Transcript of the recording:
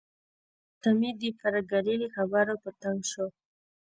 حشمتي د پريګلې له خبرو په تنګ شو